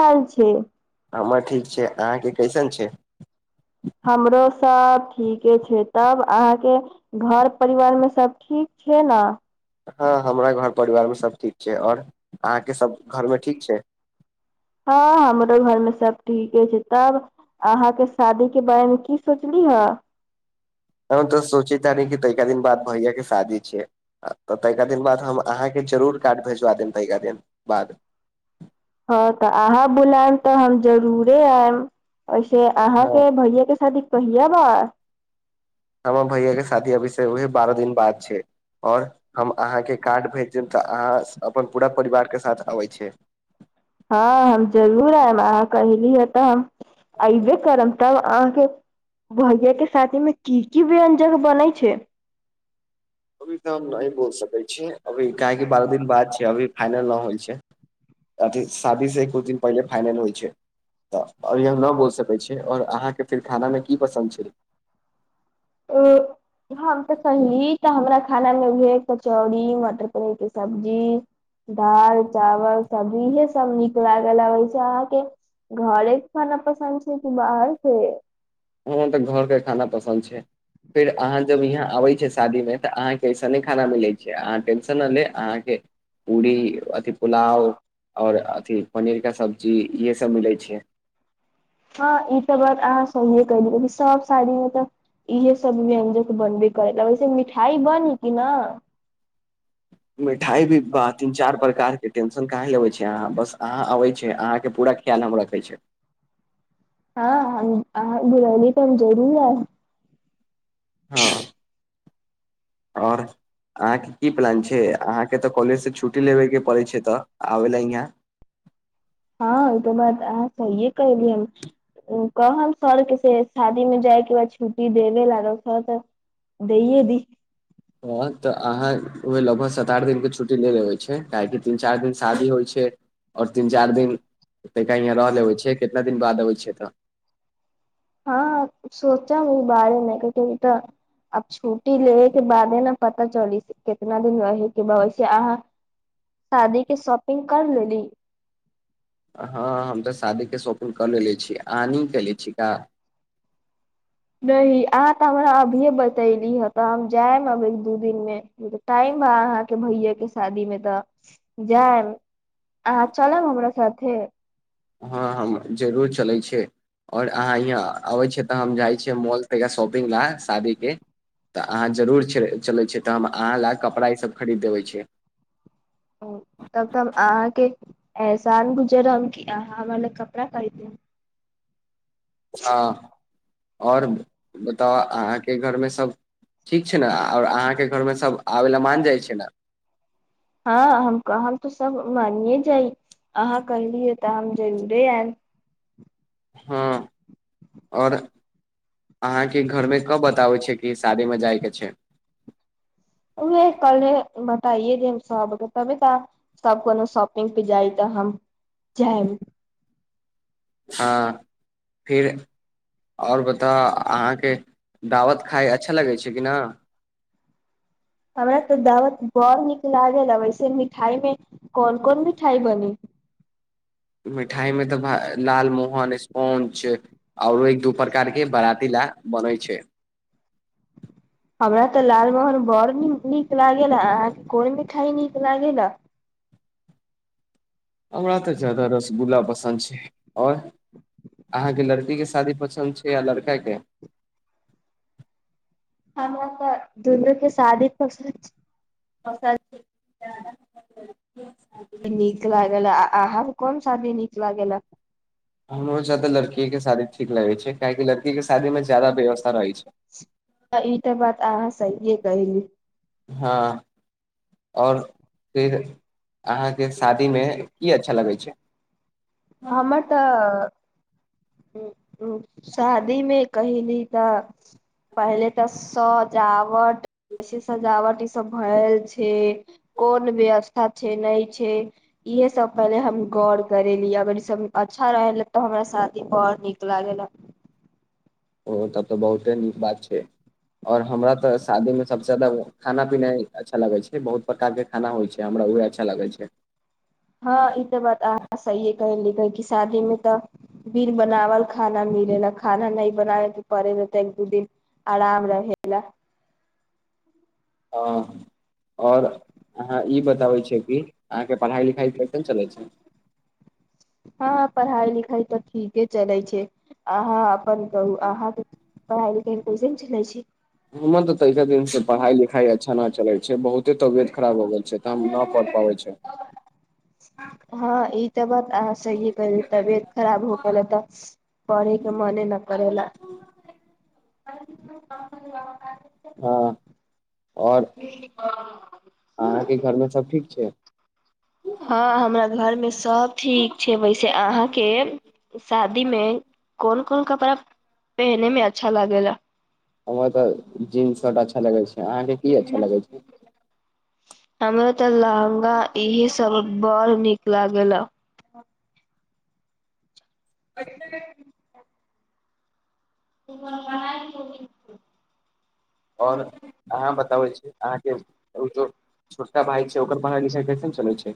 आएल छै हमर ठीक छै अहाँके कैसन छै हमरो सब ठीके छै तब अहाँके घर परिवार मे सब ठीक छै ने हँ हमरा घर परिवार मे सब ठीक आओर अहाँके सब घरमे ठीक छै हँ हमरो घर मे सब ठीके छै तब अहाँके शादी के बारेमे की सोचली ह हमे तऽ सोचिता न कि दिन बाद भैय के साादी छै तऽ तनिका दिन बाद हम अहाँकेँ जरूर कार्ड भेजबा देब तनिका दिन बाद हँ तऽ अहाँ बुलायम तऽ हम जरूरे आयब ऐसे हँ अहाँके भैय के शादी कहिय बा हमर भैय के शादी अभिष बारह दिन बाद छै ओर हम अहाँके कार्ड भेज देब तऽ अहाँ अपन पूरा परिवारके साथ अबै छै हँ हम जरूर आयब अहाँ कहली है तऽ हम अऐबे करब तब अहाँके भैया के साथी मे की की व्यंजन बनै छै अभी तऽ हम नहि बोल सकै छी अभी काहे कि बारह दिन बाद छै अभी फाइनल नहि होइ छै अथि शादी से कुछ दिन पहिले फाइनल होइ छै तऽर ई हम नहि बोल सकैत छी आओर अहाँकेँ फेर खानामे की पसन्द छै ओ हम तऽ सही तऽ हमरा खाना मे भ कचौड़ी मटर पनीर के सब्जी दाल चावल सब्जी इहे सब नीक लागलबै छै अहाँके घरे खानना पसन्द छै कि बाहर छै हमरा तऽ घर के खाना पसन्द छै फेर अहाँ जब यहाँ आबै छैिय शादी मे तऽ अहाँके खाना मिलै छै अह टेंन ले अहाँके पूरी अथि पुलाव आओर अथि पनीर के सब्जी इहे सब मिलै छै हँ ई तऽ बात अहाँ सहिए क द सब शादीमे तऽ इह सब व्यंजन बनबे करै वैसे मिठाइ बनी कि न मिठाइ भी बा तीन चार प्रकार के टेंशन काईल अबईय छी अहाँ बस अहाँ अबै छीय अहाँके पूरा ख्याल हम रखै छी हँ हम अहाँ बुरैली तऽ हम जरूर है हँ आओर अहाँके की प्लान छै अहाँके तऽ कॉलेज से छुट्टी लेबे के पड़ैय छै तऽ आबे ले इहाँ हँ ई तऽ बात अहाँ सहिए कहलिय कहब सर के से शादी में जाइके बा छुट्टी देबे ला तऽ दैये दी तऽ अहाँ लगभग सात आठ दिन के छुट्टी ले लेबै काहेकि तीन चारि दिन शादी होइ छै आओर तीन चारि दिन तैका यहाँ रह लेबै छै कितना दिन बाद अबै छै तऽ हँ सोचब ई बारेमे कियक ई तऽ अब छुटी लेैबे के बादे न पता चलि केतना दिन रहैके बा ओहिसे अहाँ शादी के शॉपिंग कर लेली हँ हम तऽ शादीके शॉपिंग कऽ लेे छी आहाँ नहि कएले छी का नहि अहाँ तऽ हमरा अभीेए बतैली ह तऽ हम जायब अब एक दू दिन मे टाइम आ अहाँके भैये के शादी मे तऽ जायब अहाँ चलब हमरा साथे हँ हम जरूर चलै छियै और अहाँ यहाँ अबे छियै तऽ हम जाय छियै मॉल त शॉपिंग ला शादी के तऽ अहाँ जरूर च चलै छियै तऽ हम अहाँ लए कऽ कपड़ा इसभ खरीद देबै छी [inaudible] तब तऽ हम अहाँके एहसान गुजर रहम कि अहाँ हम ल कपड़ा खरीदू हँ और बताउ अहाँके घर में सब ठीक छैयने आउर अहाँके घर में सब आबेला मानि जाइ छै ना हँ हम कह हम तऽ सब मानिये जाइ अहाँ कहलियै तऽ हम जरूरे आयब हँ आओर अहाँके घर में कब बताबैइ छै कि शादी में जाइके छै उहे कल्हे आइे जे सब ताबे ताऽ सब कोनो शॉपिंग पे जाइ तऽ हम जायम हां फिर और बता अहाँके दावत खाय अच्छा लगैइ छै कि न हमरा तऽ दावत बड़ नीक लागेला वैसे मिठाई में कोन कोन मिठाई बनी [inaudible] मिठाइ मे तऽ लाल मोहन स्पोन्ज आउरो एक दू प्रकारके बराती ला बनैइ छैइ हमरा तऽ लालमोहन बड़ नीक नीक लागेला कोइ मिठाइ नीक लागेेला हमरा तऽ ज्यादा रसगुल्ला पसन्द छै आओर अहाँके लड़कीके शादी पसन्द छै या लड़का के हमरा तऽ दुनू के शादी पसंद छै [unintelligible] नीक लागेला आहां के कोन शादी नीक लागेला हमरो सब के तऽ लड़किये के शादी ठीक लगै छै काहे कि लड़कीके शादीमे ज्यादा व्यवस्था रहै छै [unintelligible] ई बात अहाँ सहिए कहली हां और फिर अहाँके शादी में की अच्छा लगै छै हमर तऽ ह शादी में कहिली तऽ पहिले तऽ सजावट सजावट भए छै कोन व्यवस्था छै नई छै इहे सब पहिले हम गौर करेली अगर ई सब अच्छा रहल तऽ हमरा साथ बर नीक लागेला ओ तब तऽ बहुते नीक बात छैइ और हमरा त शादी में सबसे जादा खाना पीना ही अच्छा लागै छैइ बहुत प्रकार के खाना होइ छैइ हमरा उहे अच्छा लगैइ छैइ हँ ई तऽ बात आहां सहीए कहेली कह क शादीं तऽ बिन बनावल खाना मिले ला खाना नई बनाबे के पड़ैय तऽ एक दू दिन आराम रहेला हंअ् और अहाँ ई बताबै छैय कि अहाँके पढ़ाइ लिखाइ कैसन चलैइ छैइ हँ पढ़ाइ लिखाइ तऽ ठीके चलैइ छैइ अहाँ अपन कहू अहाँके पढ़ाई लिखाई कैसन चलैइ छैइ हमर त तैहि दिन से पढ़ाई लिखाई अच्छा न चलैइ छैइ बहुते तबियत खराब हो गेल छैइ त हम न पढ़ पाबे छै [inaudible] हँअ ई तऽ बात अह सहिए कह तबियत खराब हो गेल तऽ पढ़े के मने न करेला [inaudible] [unintelligible] हँ आओर अहाँके घरमे सब ठीक छै हँ हमरा घरमे सभ ठीक छै वैसे अहाँके शादी में कोन कोन कपड़ा पेहने में अच्छा लागेेला हमरा तऽ जींस शर्ट अच्छा लगै छै अहाँके की अच्छा लागै छै हमरा तऽ लहंगा इहे सब बड़ नीक लागेला [inaudible] [unintelligible] आओर अहाँ बताबै छी अहाँके उ दो छोटा भाइ छै ओकर पढ़ाइ लिखाइ कैसन चलै छै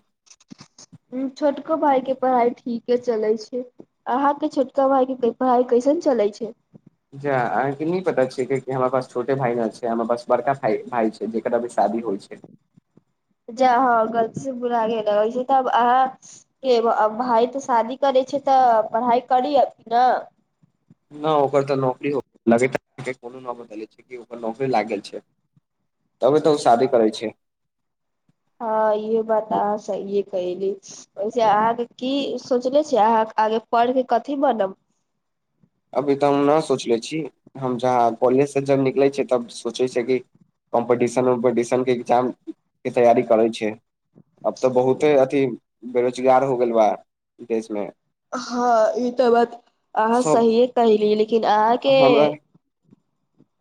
ह छोटको भाइ के पढ़ाइ ठीके छै चलै छै अहाँके छोटका भाई के पढ़ाइ कैसन चलै छै अहाँ के नहि पता छिय क हमरा पास छोटे भाई न छै हमरा पास बड़का भाई छै जे जा हँ गलती से बोला गेल त अहाँ के भाय तऽ शादी करै छै तऽ पढ़ाइ करी अथी न नहि ओकर तऽ नौकरी हो [unintelligible] छै ओकर नौकरी लाग गेल छै तब तऽ ओ शादी करै छै हँ इहे बात अहाँ सहिए कहली वैसे अहाँके की सोचले छी अहाँ आगे पढ़के कथि बनब [inaudible] अभी तऽ हम न सोचले छी हम जहाँ कॉलेजसँ जब निकलै छियै तब सोचै छियै कि कम्पिटिशन उम्पिटिशन के एगजाम के तैयारी करै छै अब तऽ बहुते अथी बेरोजगार हो गेल बा देश मे हँ ई तऽ बात अहाँ सब सहिए कहली लेकिन अहाँके हमरा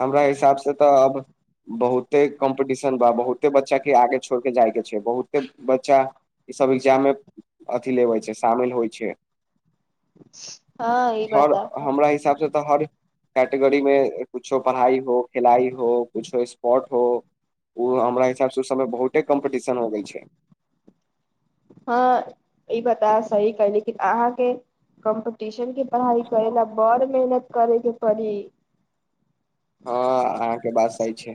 हमरा हिसाब से तऽ अब बहुते कम्पीटिशन बा बहुते बच्चाके आगे छोड़ि कऽ जायके छै बहुते बच्चा ई सब एग्जाम मे अथि लेबै छै शामिल होइ छै हँ ई हर हमरा हिसाबसँ हर कैटेगरी मे कुछो पढ़ाई हो खेलाइ हो बात किुछु स्पोर्ट हो ओ हमरा हिसाब सँ ओ सबय बहुते कॉम्पटिशन हो गेल छै [inaudible] हँ ई बता सही कहलि लेकिन अहाँके कम्पिटिशन के पढ़ाइ करै ला बड़ मेहनत करेके पड़ी हँ अहाँके बात सही छै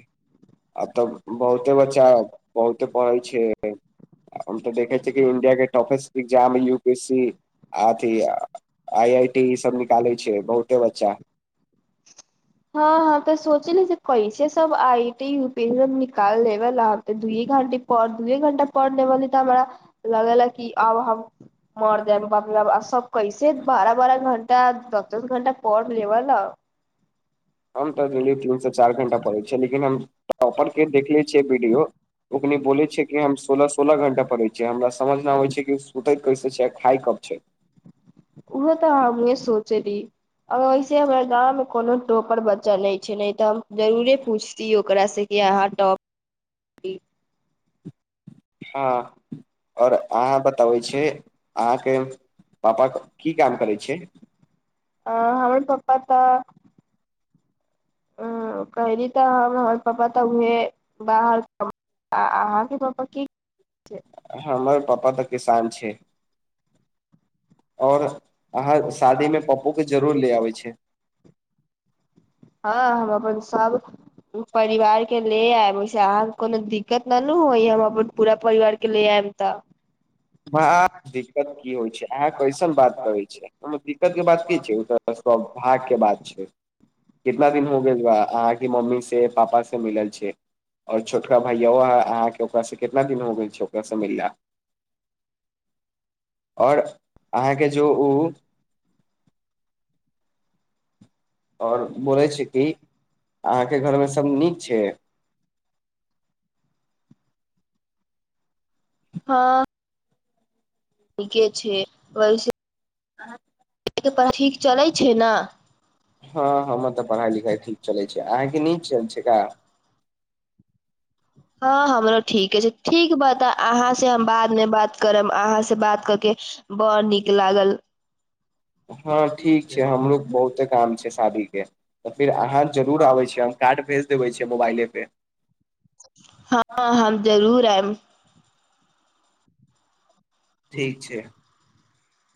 आ तब बहुते बच्चा बहुते पढ़ै छै हम तऽ देखै छिय कि इंडिया के टाफेस इग्जाम ह यू पी एस सी आथी आइ आइ टी ई सब निकाले छै बहुते बच्चा हँ हँ त सोचली जे कइसे सब I I T U P M निकालेबे ला दुए घंटे दुए घंटा पढ़ लेबे त हम लगेला कि आब हम मर जाइब बाप रे बाप सब कैसे बारह बारह घण्टा दस दस घंटा पढ़ लेबेला हम तऽ डेली तीनसँ चारि घण्टा पढ़ैत छियै लेकिन हम टॉपर के देखले छियै वीडियो ओकनी बोल छै कि हम सोलह सोलह घण्टा पढै छियै हमरा समझ न आबै छै कि सुते कैसे छै खाय कख छै उहो तऽ हम नहि सोचे रियै वैसे हमरा गाँव मे कोनो टोपर बच्चा नहि छै नहि तऽ जरूरे पूछती ओकरासँ कि अहाँ टॉप हँ आओर अहाँ बता तऽ ओइ छै अहाँके पापा की काम करै छै आ हमर पप्पा तऽ ह कहली तऽ हम हमर पापा तऽ उहे बाहर कमबै आ अहाँके पापा की हमर पापा तऽ किसान छै और अहाँ शादीमे पप्पो के जरूर ले आबै छै हँ हम अपन सब [inaudible] परिवार के ले आयब ओहिसे अहाँके कोनो दिक्कत न नु होय हम अपन पूरा परिवार के ले आयम तऽ म्हा दिक्कत की होइ छै अहाँ कैसन बात करै छियै ओमे दिक्कत के बात की छै ओ त सौभाग्य के बात छै कितना दिन हो गेल बा अहाँके मम्मी से पापा से मिलल छै और छोटका भैयवा हां अहाँके ओकरासँ कितना दिन हो गेल छै ओकरासँ मिलला और अहाँके जो ओ और बोलै छै कि अहाँके घरमे सभ नीक छै हँ नीके छै भविष्य अहां के पढ़ाई ठीक चलै छै न हँ हमर तऽ पढ़ाइ लिखाइ ठीक चलै छै अहाँके नीक चलै छै का हँ हमरो ठीके छै ठीक बा त अहाँ से हम बात अपने बात करब अहाँ से बात कऽ के बड़ नीक लागल हँ ठीक छै हमरो बहुते काम छै शादी के तऽ फेर अहाँ जरूर आबै छियै हम कार्ड भेज देबे छियै मोबाइले पे हँ हम जरूर आयब ठीक